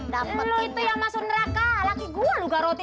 dapet itu yang masuk neraka laki gua lo garotin